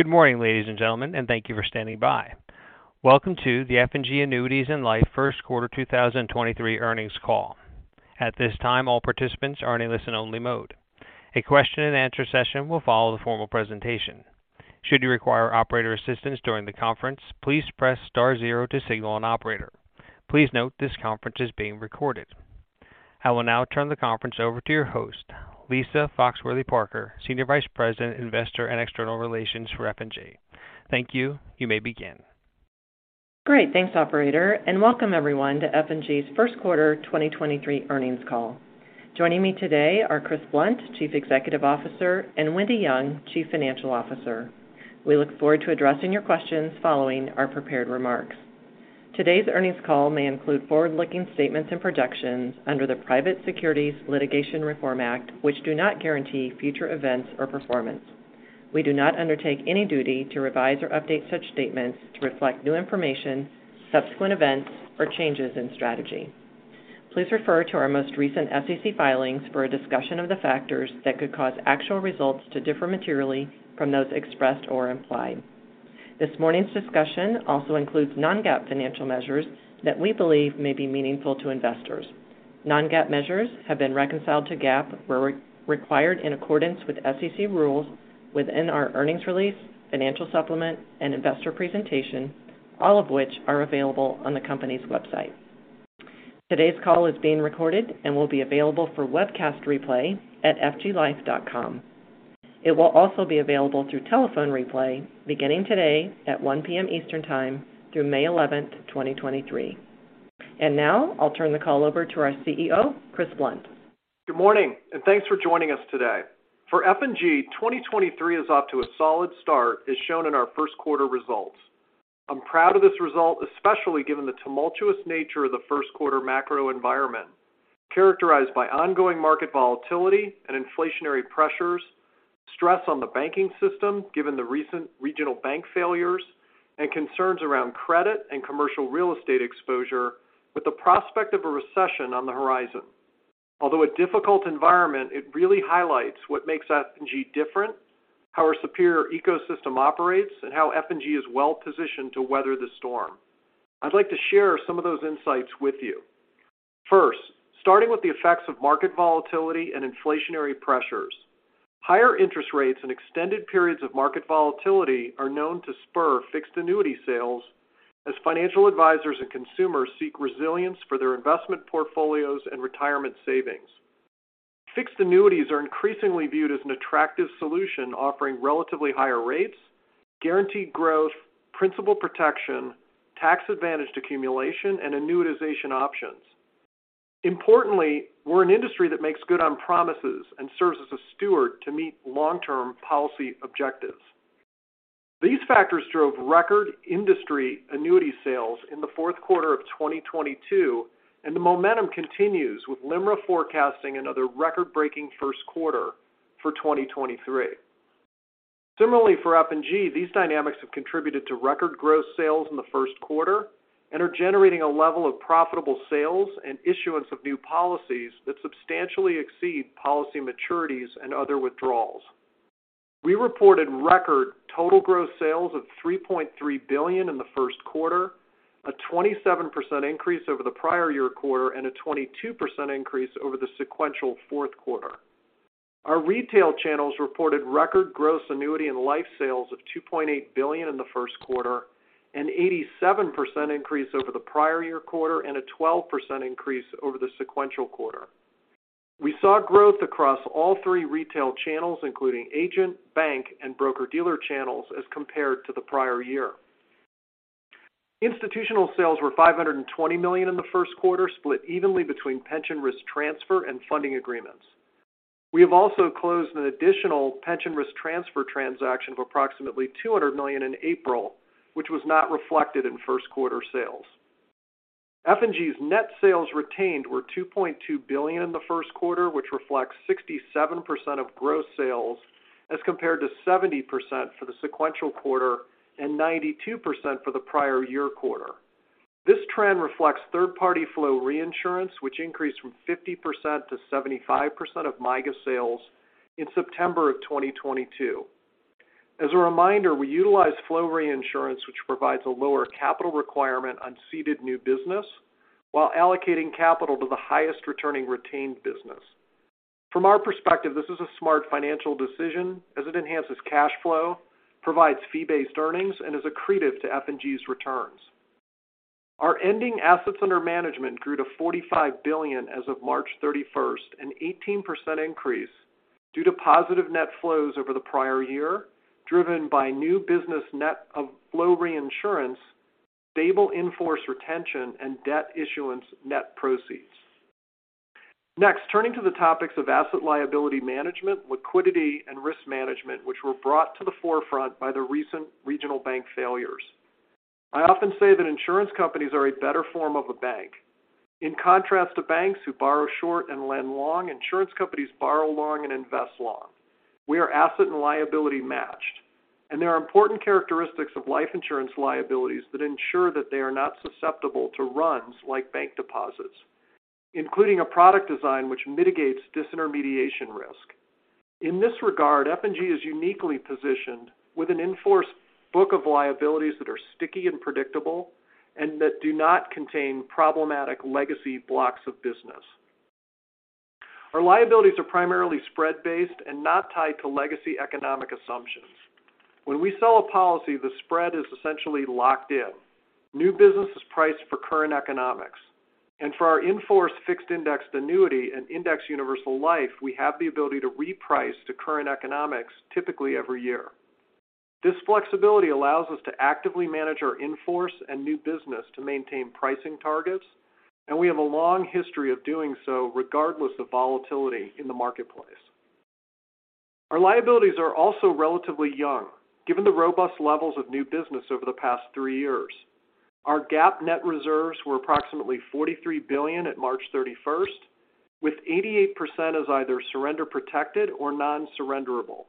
Good morning, ladies and gentlemen, thank you for standing by. Welcome to the F&G Annuities & Life First Quarter 2023 earnings call. At this time, all participants are in a listen-only mode. A question-and-answer session will follow the formal presentation. Should you require operator assistance during the conference, please press star zero to signal an operator. Please note this conference is being recorded. I will now turn the conference over to your host, Lisa Foxworthy-Parker, Senior Vice President, Investor and External Relations for F&G. Thank you. You may begin. Great. Thanks, operator. Welcome everyone to F&G's first quarter 2023 earnings call. Joining me today are Chris Blunt, Chief Executive Officer, and Wendy Young, Chief Financial Officer. We look forward to addressing your questions following our prepared remarks. Today's earnings call may include forward-looking statements and projections under the Private Securities Litigation Reform Act, which do not guarantee future events or performance. We do not undertake any duty to revise or update such statements to reflect new information, subsequent events, or changes in strategy. Please refer to our most recent SEC filings for a discussion of the factors that could cause actual results to differ materially from those expressed or implied. This morning's discussion also includes non-GAAP financial measures that we believe may be meaningful to investors. Non-GAAP measures have been reconciled to GAAP where re-required in accordance with SEC rules within our earnings release, financial supplement, and investor presentation, all of which are available on the company's website. Today's call is being recorded and will be available for webcast replay at fglife.com. It will also be available through telephone replay beginning today at 1:00 P.M. Eastern time through May 11th, 2023. Now I'll turn the call over to our CEO, Chris Blunt. Good morning. Thanks for joining us today. For F&G, 2023 is off to a solid start, as shown in our first quarter results. I'm proud of this result, especially given the tumultuous nature of the first quarter macro environment, characterized by ongoing market volatility and inflationary pressures, stress on the banking system given the recent regional bank failures, concerns around credit and commercial real estate exposure with the prospect of a recession on the horizon. Although a difficult environment, it really highlights what makes F&G different, how our superior ecosystem operates, and how F&G is well-positioned to weather the storm. I'd like to share some of those insights with you. First, starting with the effects of market volatility and inflationary pressures. Higher interest rates and extended periods of market volatility are known to spur fixed annuity sales as financial advisors and consumers seek resilience for their investment portfolios and retirement savings. Fixed annuities are increasingly viewed as an attractive solution offering relatively higher rates, guaranteed growth, principal protection, tax-advantaged accumulation, and annuitization options. Importantly, we're an industry that makes good on promises and serves as a steward to meet long-term policy objectives. These factors drove record industry annuity sales in the fourth quarter of 2022, and the momentum continues with LIMRA forecasting another record-breaking first quarter for 2023. Similarly for F&G, these dynamics have contributed to record gross sales in the first quarter and are generating a level of profitable sales and issuance of new policies that substantially exceed policy maturities and other withdrawals. We reported record total gross sales of $3.3 billion in the first quarter, a 27% increase over the prior year quarter and a 22% increase over the sequential fourth quarter. Our retail channels reported record gross annuity and life sales of $2.8 billion in the first quarter, an 87% increase over the prior year quarter and a 12% increase over the sequential quarter. We saw growth across all three retail channels, including agent, bank, and broker-dealer channels as compared to the prior year. Institutional sales were $520 million in the first quarter, split evenly between pension risk transfer and funding agreements. We have also closed an additional pension risk transfer transaction of approximately $200 million in April, which was not reflected in first quarter sales. F&G's net sales retained were $2.2 billion in the first quarter, which reflects 67% of gross sales as compared to 70% for the sequential quarter and 92% for the prior year quarter. This trend reflects third-party flow reinsurance, which increased from 50% to 75% of MYGA sales in September 2022. As a reminder, we utilize flow reinsurance, which provides a lower capital requirement on ceded new business while allocating capital to the highest returning retained business. From our perspective, this is a smart financial decision as it enhances cash flow, provides fee-based earnings, and is accretive to F&G's returns. Our ending assets under management grew to $45 billion as of March 31st, an 18% increase due to positive net flows over the prior year, driven by new business net of flow reinsurance, stable in-force retention, and debt issuance net proceeds. Next, turning to the topics of asset liability management, liquidity, and risk management, which were brought to the forefront by the recent regional bank failures. I often say that insurance companies are a better form of a bank. In contrast to banks who borrow short and lend long, insurance companies borrow long and invest long. We are asset and liability matched, and there are important characteristics of life insurance liabilities that ensure that they are not susceptible to runs like bank deposits. Including a product design which mitigates disintermediation risk. In this regard, F&G is uniquely positioned with an in-force book of liabilities that are sticky and predictable, and that do not contain problematic legacy blocks of business. Our liabilities are primarily spread-based and not tied to legacy economic assumptions. When we sell a policy, the spread is essentially locked in. New business is priced for current economics. For our in-force Fixed Indexed Annuity and Indexed Universal Life, we have the ability to reprice to current economics typically every year. This flexibility allows us to actively manage our in-force and new business to maintain pricing targets, and we have a long history of doing so regardless of volatility in the marketplace. Our liabilities are also relatively young, given the robust levels of new business over the past three years. Our GAAP net reserves were approximately $43 billion at March 31st, with 88% as either surrender protected or non-surrenderable.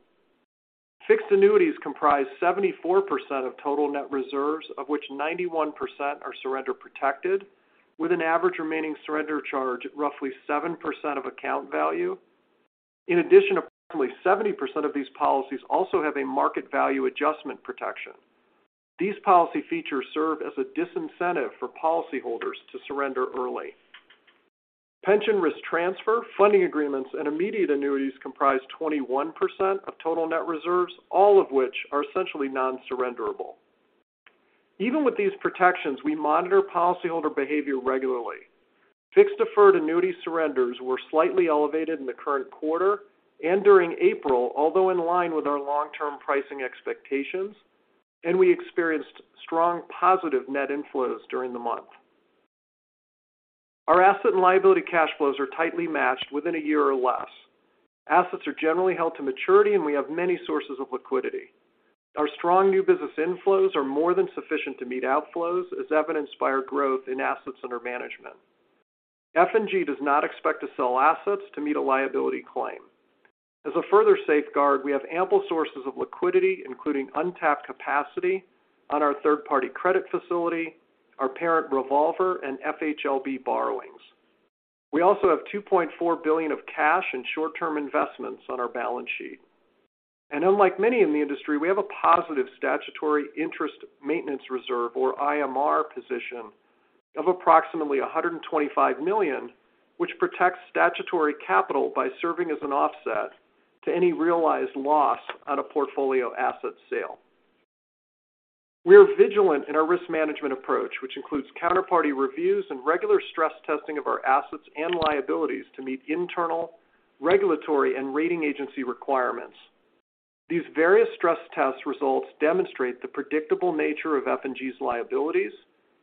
Fixed annuities comprise 74% of total net reserves, of which 91% are surrender protected, with an average remaining surrender charge at roughly 7% of account value. In addition, approximately 70% of these policies also have a Market Value Adjustment protection. These policy features serve as a disincentive for policyholders to surrender early. Pension risk transfer, funding agreements, and immediate annuities comprise 21% of total net reserves, all of which are essentially non-surrenderable. Even with these protections, we monitor policyholder behavior regularly. Fixed deferred annuity surrenders were slightly elevated in the current quarter and during April, although in line with our long-term pricing expectations, and we experienced strong positive net inflows during the month. Our asset and liability cash flows are tightly matched within a year or less. Assets are generally held to maturity, and we have many sources of liquidity. Our strong new business inflows are more than sufficient to meet outflows, as evidenced by our growth in assets under management. F&G does not expect to sell assets to meet a liability claim. As a further safeguard, we have ample sources of liquidity, including untapped capacity on our third-party credit facility, our parent revolver, and FHLB borrowings. We also have $2.4 billion of cash and short-term investments on our balance sheet. Unlike many in the industry, we have a positive statutory Interest Maintenance Reserve, or IMR, position of approximately $125 million, which protects statutory capital by serving as an offset to any realized loss on a portfolio asset sale. We are vigilant in our risk management approach, which includes counterparty reviews and regular stress testing of our assets and liabilities to meet internal, regulatory, and rating agency requirements. These various stress test results demonstrate the predictable nature of F&G's liabilities,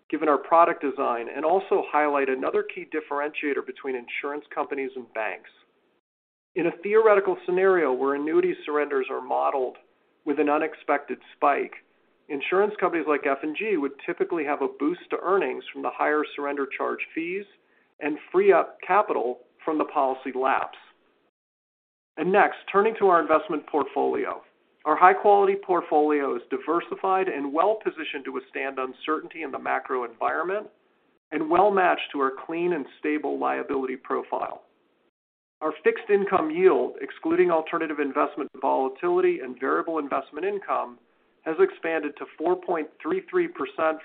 given our product design, and also highlight another key differentiator between insurance companies and banks. In a theoretical scenario where annuity surrenders are modeled with an unexpected spike, insurance companies like F&G would typically have a boost to earnings from the higher surrender charge fees and free up capital from the policy lapse. Next, turning to our investment portfolio. Our high-quality portfolio is diversified and well-positioned to withstand uncertainty in the macro environment and well-matched to our clean and stable liability profile. Our fixed income yield, excluding alternative investment volatility and variable investment income, has expanded to 4.33%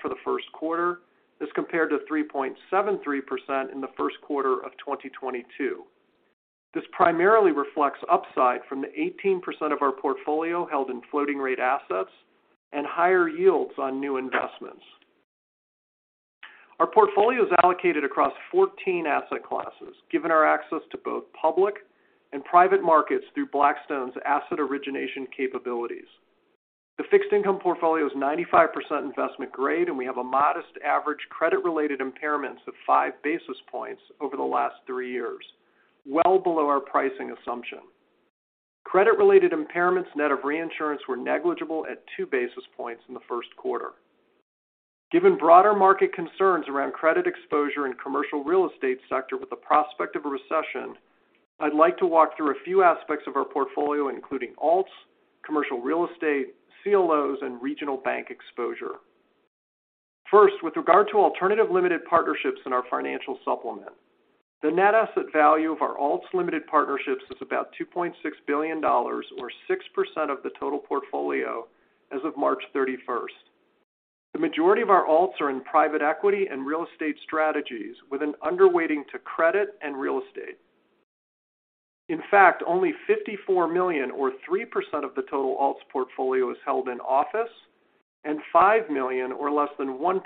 for the first quarter as compared to 3.73% in the first quarter of 2022. This primarily reflects upside from the 18% of our portfolio held in floating rate assets and higher yields on new investments. Our portfolio is allocated across 14 asset classes, given our access to both public and private markets through Blackstone's asset origination capabilities. The fixed income portfolio is 95% investment grade, and we have a modest average credit-related impairments of five basis points over the last three years, well below our pricing assumption. Credit-related impairments net of reinsurance were negligible at two basis points in the first quarter. Given broader market concerns around credit exposure in commercial real estate sector with the prospect of a recession, I'd like to walk through a few aspects of our portfolio, including Alts, commercial real estate, CLOs, and regional bank exposure. First, with regard to alternative limited partnerships in our financial supplement, the net asset value of our Alts limited partnerships is about $2.6 billion or 6% of the total portfolio as of March 31st. The majority of our Alts are in private equity and real estate strategies with an underweighting to credit and real estate. In fact, only $54 million or 3% of the total Alts portfolio is held in office and $5 million or less than 1%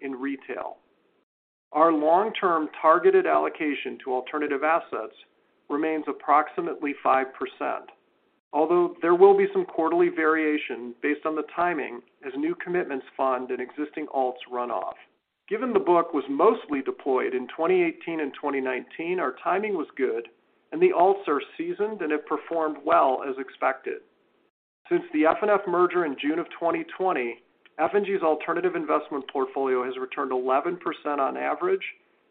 in retail. Our long-term targeted allocation to alternative assets remains approximately 5%, although there will be some quarterly variation based on the timing as new commitments fund and existing Alts run off. Given the book was mostly deployed in 2018 and 2019, our timing was good and the Alts are seasoned and have performed well as expected. Since the FNF merger in June 2020, F&G's alternative investment portfolio has returned 11% on average,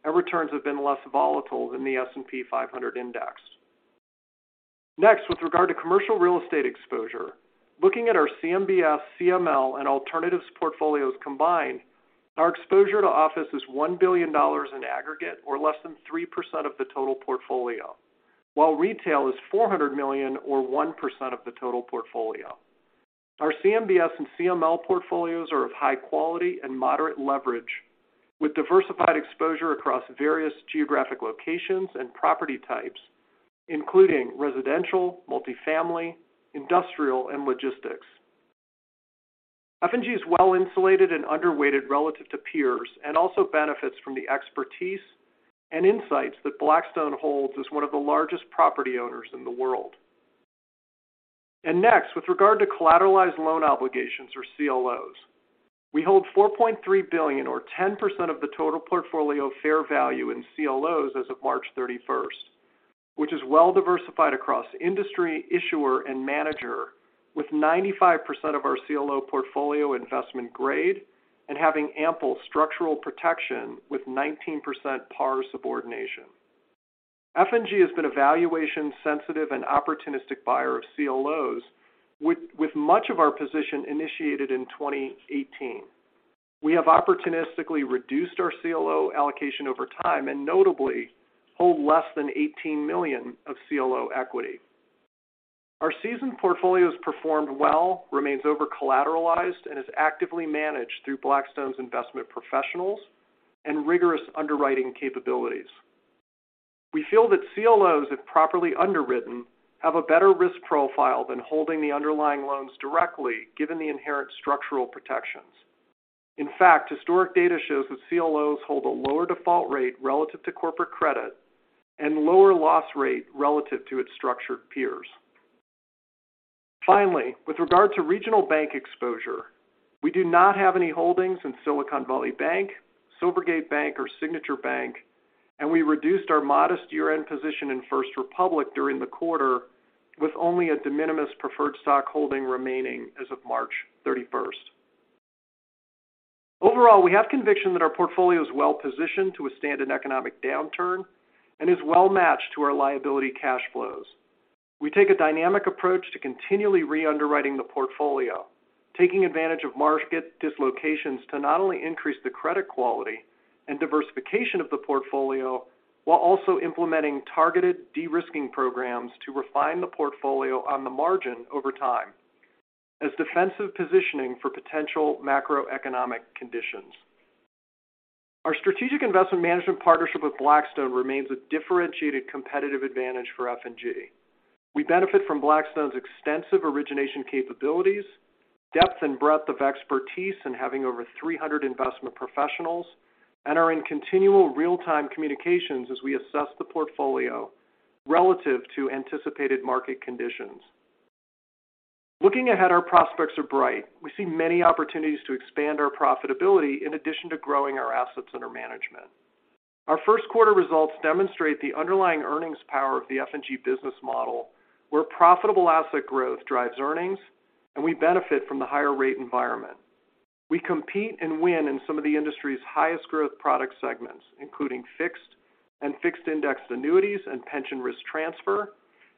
and returns have been less volatile than the S&P 500 index. Next, with regard to commercial real estate exposure, looking at our CMBS, CML, and alternatives portfolios combined, our exposure to office is $1 billion in aggregate or less than 3% of the total portfolio, while retail is $400 million or 1% of the total portfolio. Our CMBS and CML portfolios are of high quality and moderate leverage, with diversified exposure across various geographic locations and property types, including residential, multifamily, industrial, and logistics. F&G is well insulated and underweighted relative to peers and also benefits from the expertise and insights that Blackstone holds as one of the largest property owners in the world. Next, with regard to collateralized loan obligations or CLOs, we hold $4.3 billion or 10% of the total portfolio fair value in CLOs as of March 31st, which is well diversified across industry, issuer, and manager with 95% of our CLO portfolio investment grade and having ample structural protection with 19% par subordination. F&G has been a valuation-sensitive and opportunistic buyer of CLOs with much of our position initiated in 2018. We have opportunistically reduced our CLO allocation over time and notably hold less than $18 million of CLO equity. Our seasoned portfolios performed well, remains over-collateralized, and is actively managed through Blackstone's investment professionals and rigorous underwriting capabilities. We feel that CLOs, if properly underwritten, have a better risk profile than holding the underlying loans directly given the inherent structural protections. In fact, historic data shows that CLOs hold a lower default rate relative to corporate credit and lower loss rate relative to its structured peers. Finally, with regard to regional bank exposure, we do not have any holdings in Silicon Valley Bank, Silvergate Bank, or Signature Bank, and we reduced our modest year-end position in First Republic during the quarter with only a de minimis preferred stock holding remaining as of March thirty-first. Overall, we have conviction that our portfolio is well positioned to withstand an economic downturn and is well matched to our liability cash flows. We take a dynamic approach to continually re-underwriting the portfolio, taking advantage of market dislocations to not only increase the credit quality and diversification of the portfolio while also implementing targeted de-risking programs to refine the portfolio on the margin over time as defensive positioning for potential macroeconomic conditions. Our strategic investment management partnership with Blackstone remains a differentiated competitive advantage for F&G. We benefit from Blackstone's extensive origination capabilities, depth and breadth of expertise in having over 300 investment professionals, and are in continual real-time communications as we assess the portfolio relative to anticipated market conditions. Looking ahead, our prospects are bright. We see many opportunities to expand our profitability in addition to growing our assets under management. Our first quarter results demonstrate the underlying earnings power of the F&G business model, where profitable asset growth drives earnings, and we benefit from the higher rate environment. We compete and win in some of the industry's highest growth product segments, including fixed and Fixed Indexed Annuities and pension risk transfer,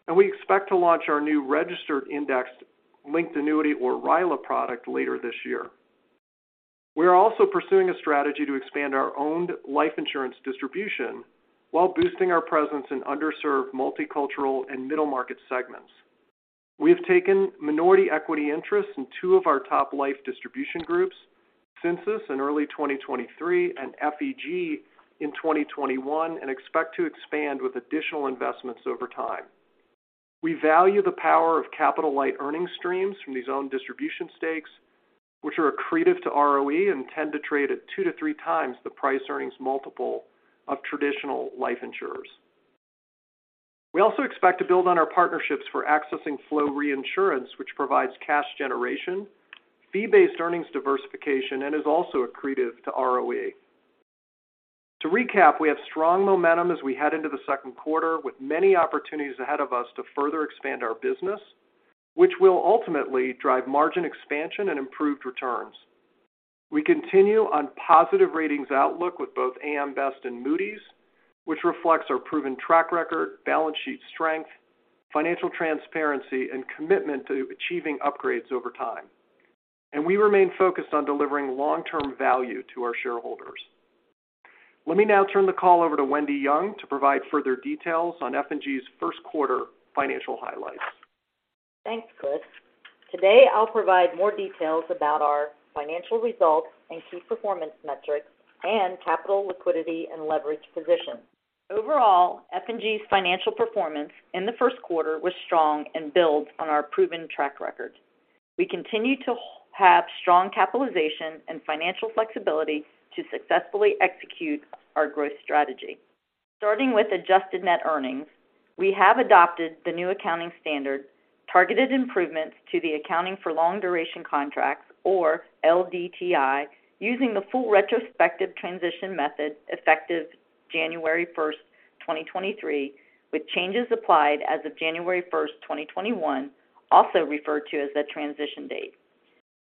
and we expect to launch our new Registered Index-Linked Annuity or RILA product later this year. We are also pursuing a strategy to expand our owned life insurance distribution while boosting our presence in underserved multicultural and middle market segments. We have taken minority equity interests in two of our top life distribution groups SYNCIS in early 2023 and FEG in 2021 and expect to expand with additional investments over time. We value the power of capital-light earning streams from these owned distribution stakes, which are accretive to ROE and tend to trade at two to three times the price earnings multiple of traditional life insurers. We also expect to build on our partnerships for accessing flow reinsurance, which provides cash generation, fee-based earnings diversification, and is also accretive to ROE. To recap, we have strong momentum as we head into the second quarter with many opportunities ahead of us to further expand our business, which will ultimately drive margin expansion and improved returns. We continue on positive ratings outlook with both AM Best and Moody's, which reflects our proven track record, balance sheet strength, financial transparency, and commitment to achieving upgrades over time. We remain focused on delivering long-term value to our shareholders. Let me now turn the call over to Wendy Young to provide further details on F&G's first quarter financial highlights. Thanks, Chris. Today, I'll provide more details about our financial results and key performance metrics and capital liquidity and leverage position. Overall, F&G's financial performance in the first quarter was strong and builds on our proven track record. We continue to have strong capitalization and financial flexibility to successfully execute our growth strategy. Starting with adjusted net earnings, we have adopted the new accounting standard, targeted improvements to the accounting for long-duration contracts or LDTI, using the full retrospective transition method effective January 1st, 2023, with changes applied as of January 1st, 2021, also referred to as the transition date.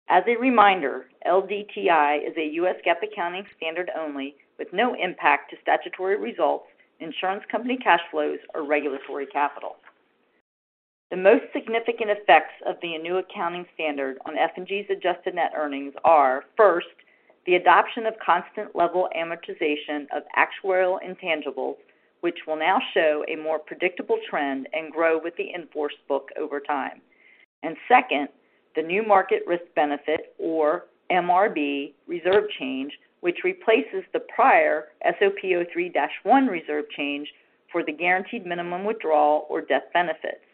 As a reminder, LDTI is a US GAAP accounting standard only with no impact to statutory results, insurance company cash flows, or regulatory capital. The most significant effects of the new accounting standard on F&G's adjusted net earnings are, first, the adoption of constant level amortization of actuarial intangibles, which will now show a more predictable trend and grow with the in-force book over time. Second, the new Market Risk Benefit or MRB reserve change, which replaces the prior SOP 03-1 reserve change for the guaranteed minimum withdrawal or death benefits.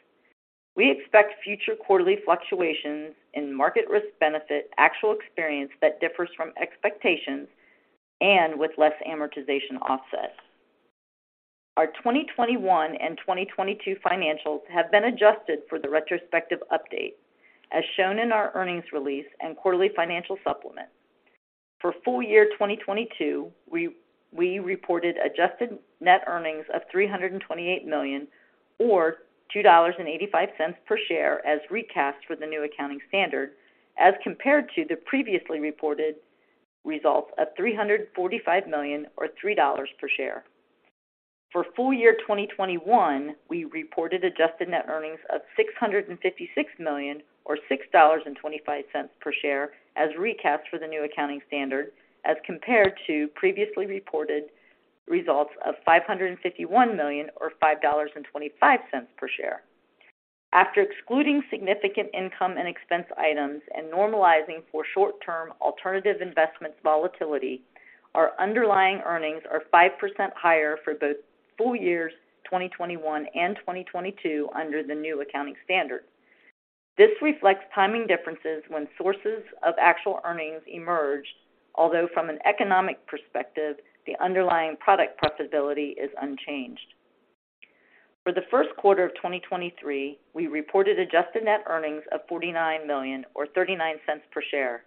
We expect future quarterly fluctuations in Market Risk Benefit actual experience that differs from expectations and with less amortization offset. Our 2021 and 2022 financials have been adjusted for the retrospective update, as shown in our earnings release and quarterly financial supplement. For full year 2022, we reported adjusted net earnings of $328 million or $2.85 per share as recast for the new accounting standard as compared to the previously reported results of $345 million or $3 per share. For full year 2021, we reported adjusted net earnings of $656 million or $6.25 per share as recast for the new accounting standard as compared to previously reported results of $551 million or $5.25 per share. After excluding significant income and expense items and normalizing for short-term alternative investments volatility, our underlying earnings are 5% higher for both full years 2021 and 2022 under the new accounting standard. This reflects timing differences when sources of actual earnings emerged, although from an economic perspective, the underlying product profitability is unchanged. For the first quarter of 2023, we reported adjusted net earnings of $49 million or $0.39 per share.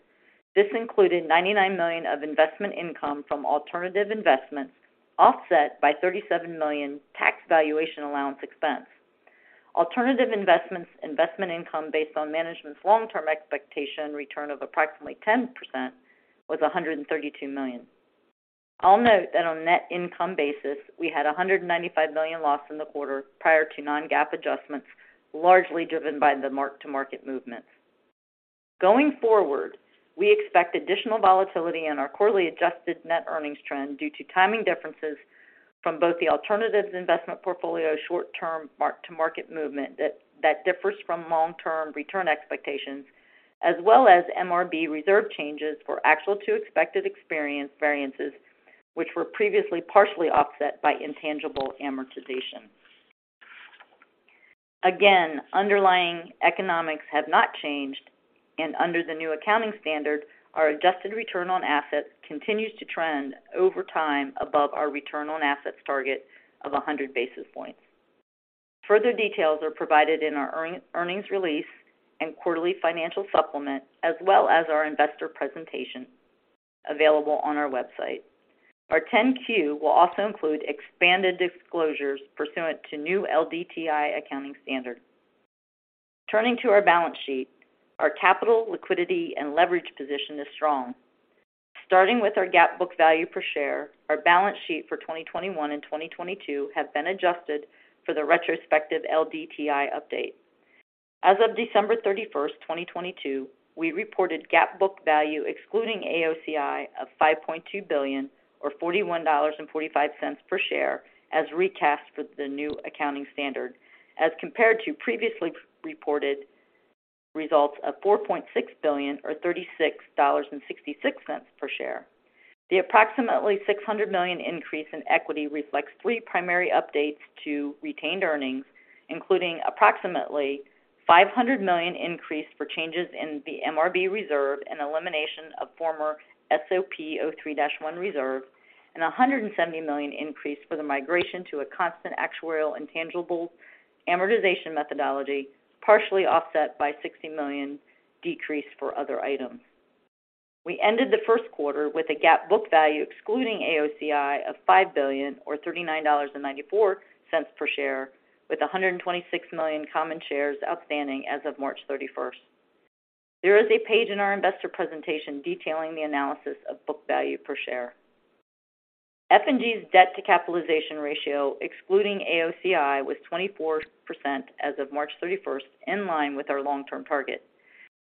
This included $99 million of investment income from alternative investments, offset by $37 million tax valuation allowance expense. Alternative investments investment income based on management's long-term expectation return of approximately 10% was $132 million. I'll note that on a net income basis, we had a $195 million loss in the quarter prior to non-GAAP adjustments, largely driven by the mark-to-market movements. Going forward, we expect additional volatility in our quarterly adjusted net earnings trend due to timing differences from both the alternatives investment portfolio short term mark-to-market movement that differs from long-term return expectations, as well as MRB reserve changes for actual to expected experience variances, which were previously partially offset by intangible amortization. Again, underlying economics have not changed, and under the new accounting standard, our adjusted return on assets continues to trend over time above our return on assets target of 100 basis points. Further details are provided in our earnings release and quarterly financial supplement, as well as our investor presentation available on our website. Our 10-Q will also include expanded disclosures pursuant to new LDTI accounting standard. Turning to our balance sheet, our capital, liquidity, and leverage position is strong. Starting with our GAAP book value per share, our balance sheet for 2021 and 2022 have been adjusted for the retrospective LDTI update. As of December 31st, 2022, we reported GAAP book value excluding AOCI of $5.2 billion or $41.45 per share as recast for the new accounting standard as compared to previously reported results of $4.6 billion or $36.66 per share. The approximately $600 million increase in equity reflects three primary updates to retained earnings, including approximately $500 million increase for changes in the MRB reserve and elimination of former SOP 03-1 reserve, and $170 million increase for the migration to a constant actuarial intangibles amortization methodology, partially offset by $60 million decrease for other items. We ended the first quarter with a GAAP book value excluding AOCI of $5 billion or $39.94 per share, with 126 million common shares outstanding as of March 31st. There is a page in our investor presentation detailing the analysis of book value per share. F&G's debt to capitalization ratio excluding AOCI was 24% as of March 31st, in line with our long-term target.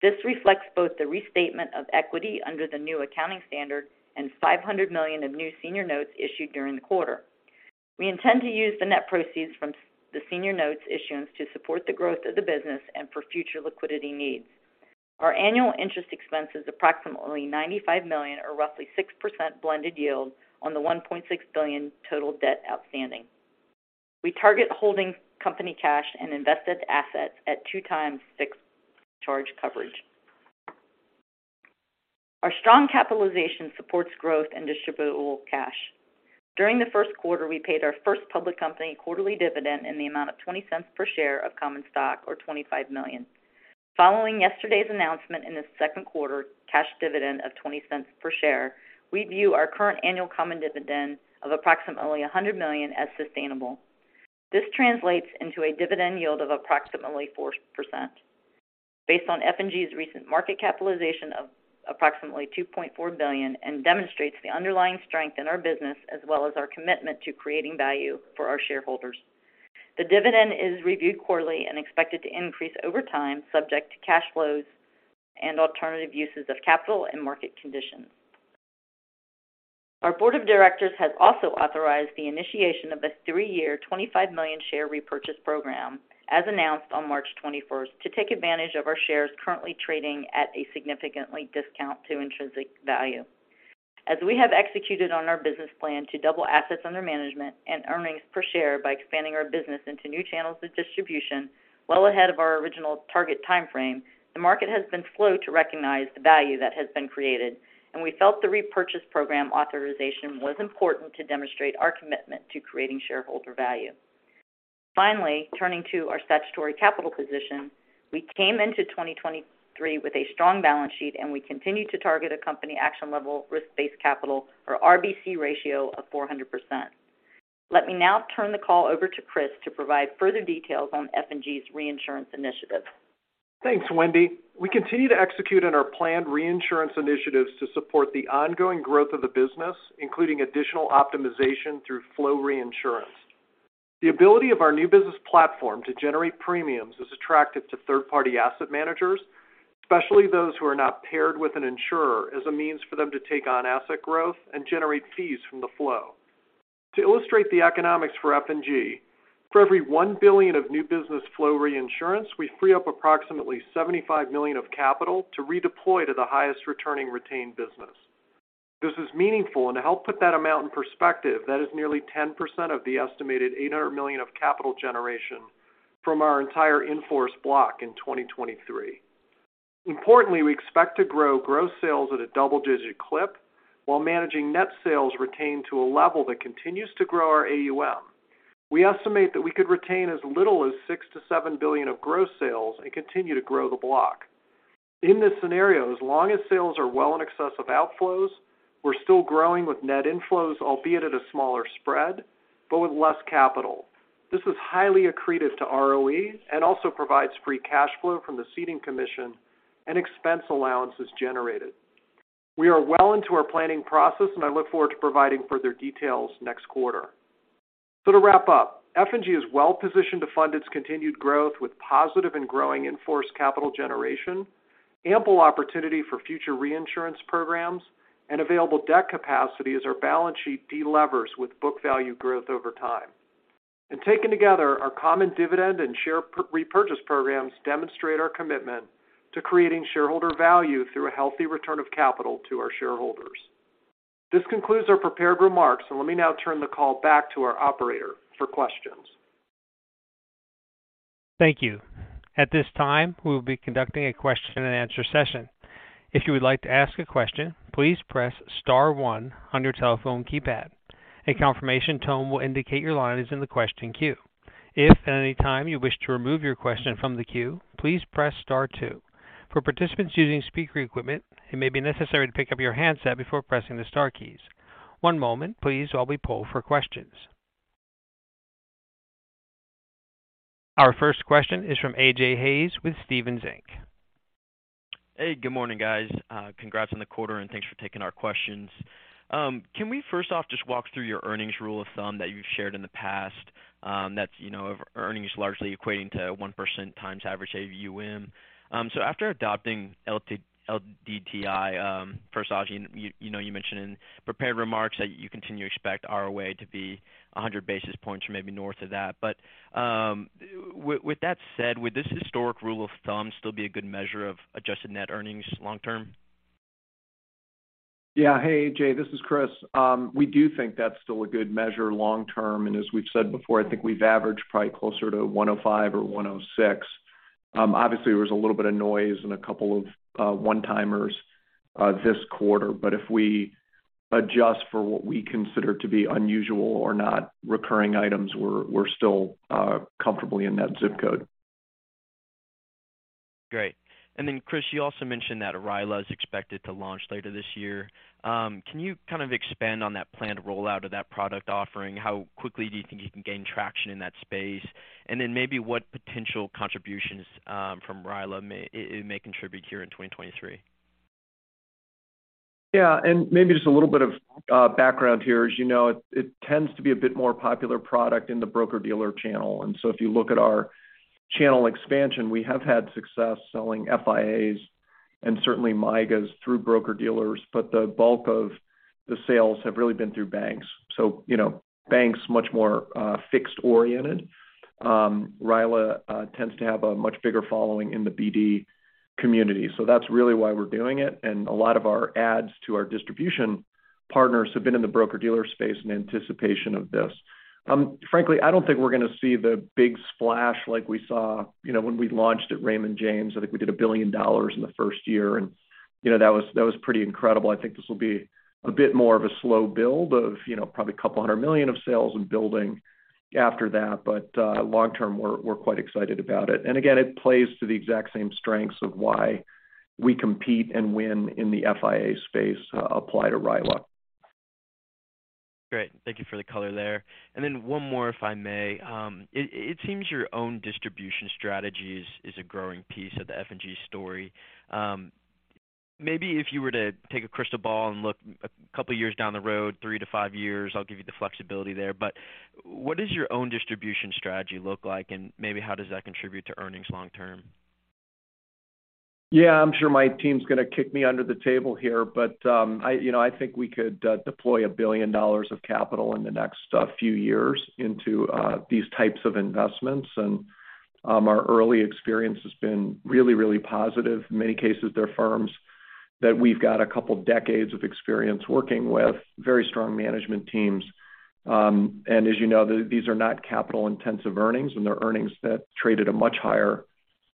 This reflects both the restatement of equity under the new accounting standard and $500 million of new senior notes issued during the quarter. We intend to use the net proceeds from the senior notes issuance to support the growth of the business and for future liquidity needs. Our annual interest expense is approximately $95 million or roughly 6% blended yield on the $1.6 billion total debt outstanding. We target holding company cash and invested assets at 2x fixed charge coverage. Our strong capitalization supports growth and distributable cash. During the first quarter, we paid our first public company quarterly dividend in the amount of $0.20 per share of common stock or $25 million. Following yesterday's announcement in the second quarter cash dividend of $0.20 per share, we view our current annual common dividend of approximately $100 million as sustainable. This translates into a dividend yield of approximately 4% based on F&G's recent market capitalization of approximately $2.4 billion, and demonstrates the underlying strength in our business as well as our commitment to creating value for our shareholders. The dividend is reviewed quarterly and expected to increase over time, subject to cash flows and alternative uses of capital and market conditions. Our board of directors has also authorized the initiation of a three-year, $25 million share repurchase program, as announced on March 21st, to take advantage of our shares currently trading at a significantly discount to intrinsic value. As we have executed on our business plan to double assets under management and earnings per share by expanding our business into new channels of distribution well ahead of our original target time frame, the market has been slow to recognize the value that has been created, and we felt the repurchase program authorization was important to demonstrate our commitment to creating shareholder value. Finally, turning to our statutory capital position, we came into 2023 with a strong balance sheet, and we continue to target a company action level risk-based capital, or RBC ratio of 400%. Let me now turn the call over to Chris to provide further details on F&G's reinsurance initiative. Thanks, Wendy. We continue to execute on our planned reinsurance initiatives to support the ongoing growth of the business, including additional optimization through flow reinsurance. The ability of our new business platform to generate premiums is attractive to third-party asset managers, especially those who are not paired with an insurer as a means for them to take on asset growth and generate fees from the flow. To illustrate the economics for F&G, for every $1 billion of new business flow reinsurance, we free up approximately $75 million of capital to redeploy to the highest returning retained business. This is meaningful, and to help put that amount in perspective, that is nearly 10% of the estimated $800 million of capital generation from our entire in-force block in 2023. Importantly, we expect to grow gross sales at a double-digit clip while managing net sales retained to a level that continues to grow our AUM. We estimate that we could retain as little as $6 billion-$7 billion of gross sales and continue to grow the block. In this scenario, as long as sales are well in excess of outflows, we're still growing with net inflows, albeit at a smaller spread, but with less capital. This is highly accretive to ROE and also provides free cash flow from the ceding commission and expense allowances generated. We are well into our planning process, and I look forward to providing further details next quarter. To wrap up, F&G is well positioned to fund its continued growth with positive and growing in-force capital generation, ample opportunity for future reinsurance programs, and available debt capacity as our balance sheet delevers with book value growth over time. Taken together, our common dividend and share repurchase programs demonstrate our commitment to creating shareholder value through a healthy return of capital to our shareholders. This concludes our prepared remarks, and let me now turn the call back to our operator for questions. Thank you. At this time, we will be conducting a question and answer session. If you would like to ask a question, please press star one on your telephone keypad. A confirmation tone will indicate your line is in the question queue. If at any time you wish to remove your question from the queue, please press star two. For participants using speaker equipment, it may be necessary to pick up your handset before pressing the star keys. One moment, please, while we poll for questions. Our first question is from A.J. Hayes with Stephens Inc. Hey, good morning, guys. Congrats on the quarter, and thanks for taking our questions. Can we first off just walk through your earnings rule of thumb that you've shared in the past, that's, you know, of earnings largely equating to 1% times average AUM? After adopting LDTI, for ROA, you know, you mentioned in prepared remarks that you continue to expect ROA to be 100 basis points or maybe north of that. With that said, would this historic rule of thumb still be a good measure of adjusted net earnings long term? Yeah. Hey, A.J., this is Chris. We do think that's still a good measure long term. As we've said before, I think we've averaged probably closer to 105 or 106 basis points. Obviously, there was a little bit of noise and a couple of one-timers, this quarter, but if we adjust for what we consider to be unusual or not recurring items, we're still comfortably in that zip code. Great. Chris, you also mentioned that RILA is expected to launch later this year. Can you kind of expand on that planned rollout of that product offering? How quickly do you think you can gain traction in that space? Maybe what potential contributions from RILA may contribute here in 2023. Yeah. Maybe just a little bit of background here. As you know, it tends to be a bit more popular product in the broker-dealer channel. If you look at our channel expansion, we have had success selling FIAs and certainly MYGAs through broker-dealers, but the bulk of the sales have really been through banks. Banks much more fixed oriented. RILA tends to have a much bigger following in the BD community. That's really why we're doing it. A lot of our ads to our distribution partners have been in the broker-dealer space in anticipation of this. Frankly, I don't think we're gonna see the big splash like we saw, you know, when we launched at Raymond James. I think we did $1 billion in the first year, and, you know, that was pretty incredible. I think SYNCIS will be a bit more of a slow build of, you know, probably $200 million of sales and building after that. But, long term, we're quite excited about it. Again, it plays to the exact same strengths of why we compete and win in the FIA space, apply to RILA. Great. Thank you for the color there. One more if I may. It seems your own distribution strategy is a growing piece of the F&G story. Maybe if you were to take a crystal ball and look a couple of years down the road, three to five years, I'll give you the flexibility there. What does your own distribution strategy look like? Maybe how does that contribute to earnings long term? Yeah, I'm sure my team's gonna kick me under the table here, but, you know, I think we could deploy $1 billion of capital in the next few years into these types of investments. Our early experience has been really, really positive. In many cases, they're firms that we've got a couple decades of experience working with very strong management teams. As you know, these are not capital-intensive earnings, and they're earnings that trade at a much higher,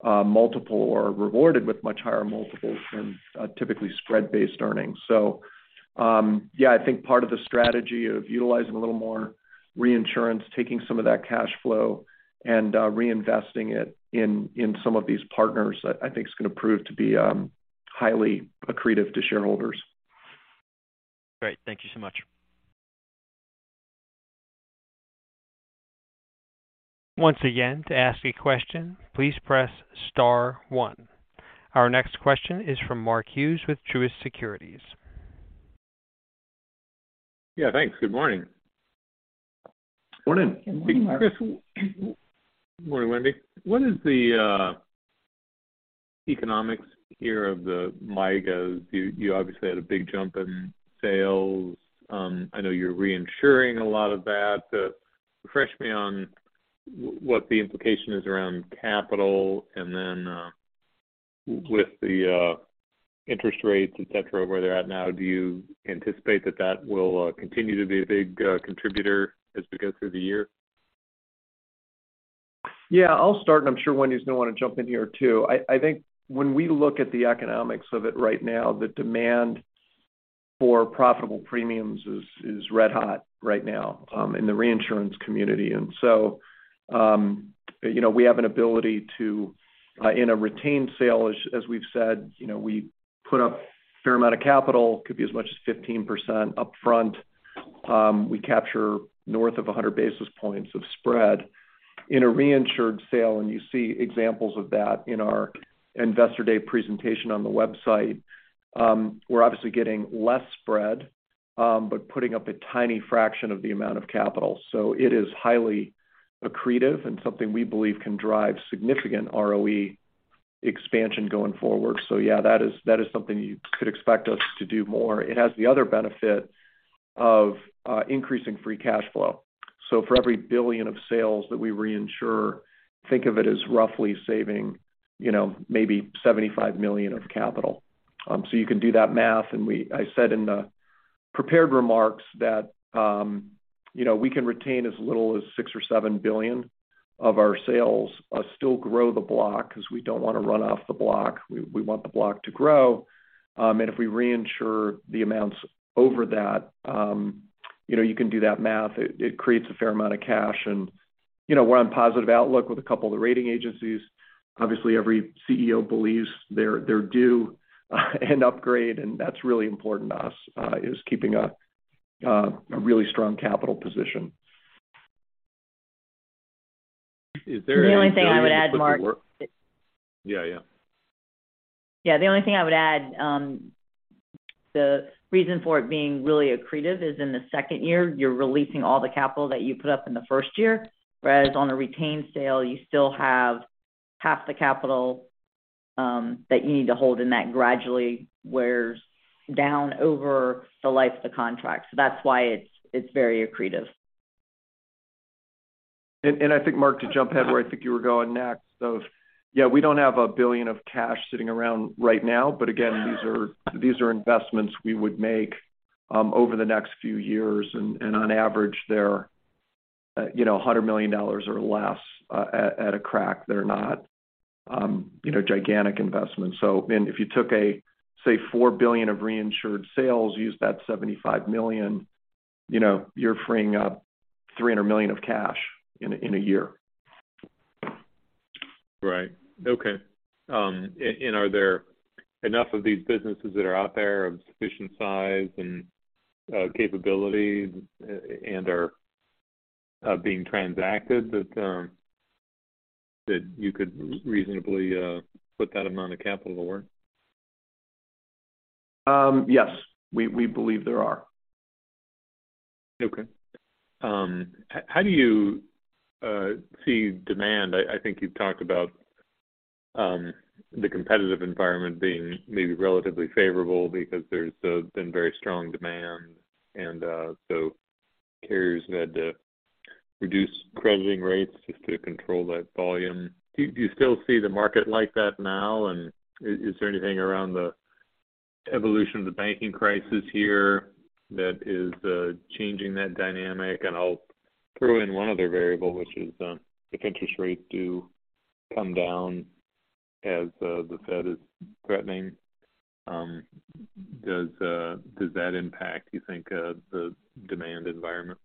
multiple or rewarded with much higher multiples than typically spread-based earnings. Yeah, I think part of the strategy of utilizing a little more reinsurance, taking some of that cash flow and reinvesting it in some of these partners, I think is gonna prove to be highly accretive to shareholders. Great. Thank you so much. Once again, to ask a question, please press star one. Our next question is from Mark Hughes with Truist Securities. Yeah, thanks. Good morning. Morning. Good morning, Mark. Chris. Morning, Wendy Young. What is the economics here of the MYGAs? You obviously had a big jump in sales. I know you're reinsuring a lot of that. Refresh me on what the implication is around capital. Then, with the interest rates, et cetera, where they're at now, do you anticipate that that will continue to be a big contributor as we go through the year? Yeah, I'll start. I'm sure Wendy is gonna want to jump in here, too. I think when we look at the economics of it right now, the demand for profitable premiums is red-hot right now in the reinsurance community. You know, we have an ability to in a retained sale, as we've said, you know, we put up a fair amount of capital. It could be as much as 15% upfront. We capture north of 100 basis points of spread in a reinsured sale, and you see examples of that in our investor day presentation on the website. We're obviously getting less spread, but putting up a tiny fraction of the amount of capital. It is highly accretive and something we believe can drive significant ROE expansion going forward. Yeah, that is something you could expect us to do more. It has the other benefit of increasing free cash flow. For every $1 billion of sales that we reinsure, think of it as roughly saving, you know, maybe $75 million of capital. You can do that math. I said in the prepared remarks that, you know, we can retain as little as $6 billion or $7 billion of our sales, still grow the block because we don't want to run off the block. We want the block to grow. If we reinsure the amounts over that, you know, you can do that math. It creates a fair amount of cash and, you know, we're on positive outlook with a couple of the rating agencies. Obviously, every CEO believes they're due an upgrade, and that's really important to us, is keeping a really strong capital position. Is there anything I would add, Mark? Yeah, yeah. Yeah, the only thing I would add, the reason for it being really accretive is in the second year, you're releasing all the capital that you put up in the first year, whereas on a retained sale, you still have half the capital, that you need to hold, and that gradually wears down over the life of the contract. That's why it's very accretive. I think Mark, to jump ahead where I think you were going next of, yeah, we don't have $1 billion of cash sitting around right now, but again, these are investments we would make over the next few years. On average, they're, you know, $100 million or less at a crack. They're not, you know, gigantic investments. If you took a, say, $4 billion of reinsured sales, use that $75 million, you know you're freeing up $300 million of cash in a year. Right. Okay. Are there enough of these businesses that are out there of sufficient size and capability and are being transacted that you could reasonably put that amount of capital to work? Yes, we believe there are. Okay. How do you see demand? I think you've talked about the competitive environment being maybe relatively favorable because there's been very strong demand and so carriers had to reduce crediting rates just to control that volume. Do you still see the market like that now? Is there anything around the evolution of the banking crisis here that is changing that dynamic? I'll throw in one other variable, which is, if interest rates do come down as the Fed is threatening, does that impact, you think, the demand environment?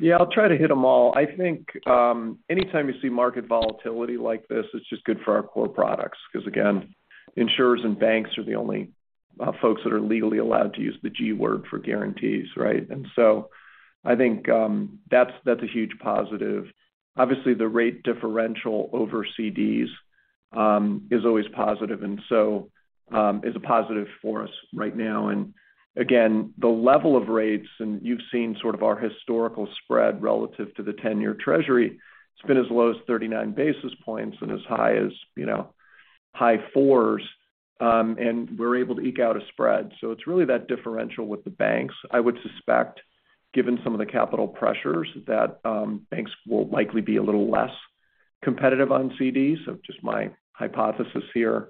Yeah, I'll try to hit them all. I think anytime you see market volatility like SYNCIS, it's just good for our core products because, again, insurers and banks are the only folks that are legally allowed to use the G word for guarantees, right? I think that's a huge positive. Obviously, the rate differential over CDs is always positive is a positive for us right now. The level of rates, and you've seen sort of our historical spread relative to the 10-year Treasury, it's been as low as 39 basis points and as high as high 4s. We're able to eke out a spread. It's really that differential with the banks. I would suspect, given some of the capital pressures, that banks will likely be a little less competitive on CDs. Just my hypothesis here.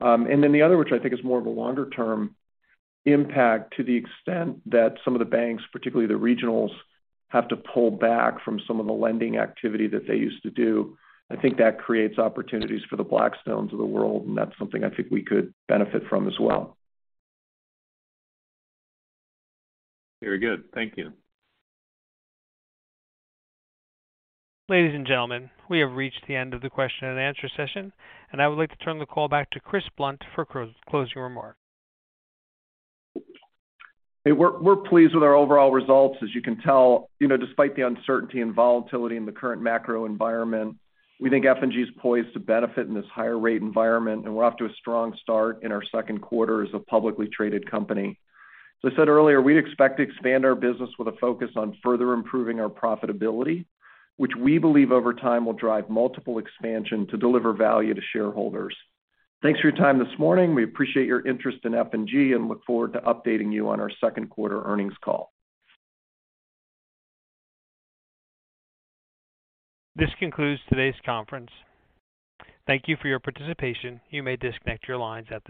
The other, which I think is more of a longer-term impact, to the extent that some of the banks, particularly the regionals, have to pull back from some of the lending activity that they used to do. I think that creates opportunities for the Blackstones of the world, and that's something I think we could benefit from as well. Very good. Thank you. Ladies and gentlemen, we have reached the end of the question and answer session. I would like to turn the call back to Chris Blunt for closing remarks. Hey, we're pleased with our overall results. As you can tell, you know, despite the uncertainty and volatility in the current macro environment, we think F&G is poised to benefit in this higher rate environment, and we're off to a strong start in our second quarter as a publicly traded company. As I said earlier, we expect to expand our business with a focus on further improving our profitability, which we believe over time will drive multiple expansion to deliver value to shareholders. Thanks for your time this morning. We appreciate your interest in F&G and look forward to updating you on our second quarter earnings call. This concludes today's conference. Thank you for your participation. You may disconnect your lines at this time.